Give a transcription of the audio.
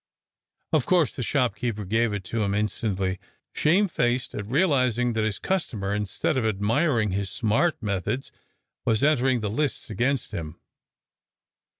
" Of course the shopkeeper gave it up to him instantly, shamefaced at realizing that his customer, instead of ad miring his smart methods, was entering the lists against him.